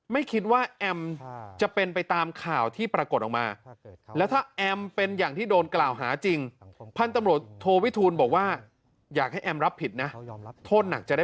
ไม่คิดว่าแอมจะเป็นไปตามข่าวที่ปรากฏออกมา